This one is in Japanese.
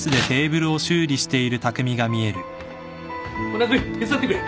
・夏海手伝ってくれ。